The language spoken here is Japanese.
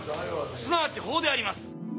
すなわち法であります」。